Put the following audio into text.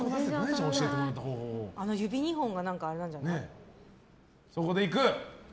指２本があれなんじゃない？